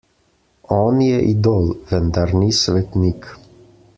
On je idol, vendar ni svetnik.